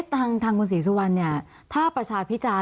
ทางคุณศรีสุวรรณเนี่ยถ้าประชาพิจารณ